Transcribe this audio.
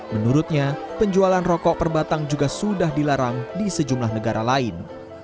menurutnya penjualan rokok perbatang juga sudah dilarang di sejumlah negara lain